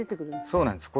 そうなんです。